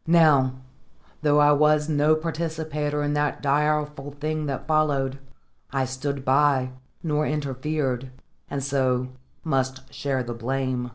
'" Now, though I was no participator in that direful thing that followed, I stood by, nor interfered, and so must share the blame.